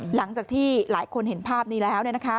หลังจากที่หลายคนเห็นภาพนี้แล้ว